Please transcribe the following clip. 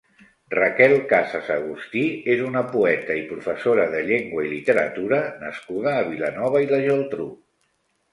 Raquel Casas Agustí és una poeta i professora de llengua i literatura nascuda a Vilanova i la Geltrú.